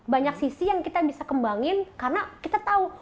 banyak sisi yang kita bisa kembangin karena kita tahu